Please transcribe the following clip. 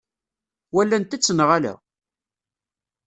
Walant-tt neɣ ala?